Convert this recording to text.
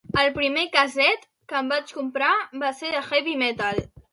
El primer cassette que em vaig comprar va ser de heavy metal